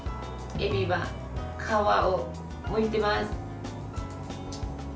えびは皮をむいてます。